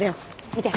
見て！